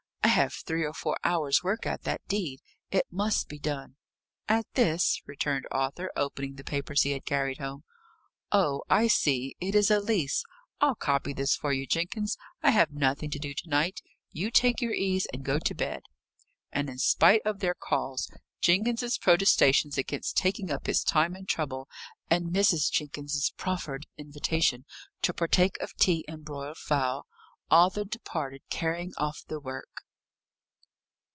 I have three or four hours' work at that deed. It must be done." "At this?" returned Arthur, opening the papers he had carried home. "Oh, I see; it is a lease. I'll copy this for you, Jenkins. I have nothing to do to night. You take your ease, and go to bed." And in spite of their calls, Jenkins's protestations against taking up his time and trouble, and Mrs. Jenkins's proffered invitation to partake of tea and broiled fowl, Arthur departed carrying off the work.